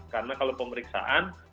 karena kalau pemeriksaan